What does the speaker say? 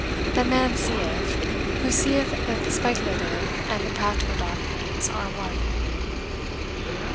That man seeth, who seeth that the speculative and the practical doctrines are one."